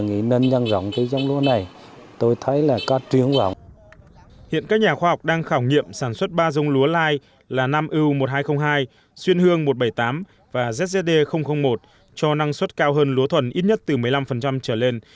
hiện các nhà khoa học đang khảo nghiệm sản xuất ba dông lúa lai là nam ưu một nghìn hai trăm linh hai xuyên hương một trăm bảy mươi tám và zd một cho năng suất cao hơn lúa thuần ít nhất từ một mươi năm trở lên